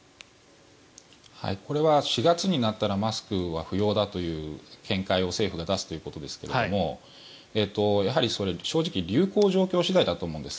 これは４月になったらマスクは不要だという見解を政府が出すということですけれどもやはり、正直流行状況次第だと思うんです。